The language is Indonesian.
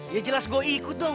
ya jelas gue ikut dong